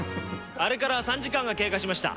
あれから３時間が経過しました。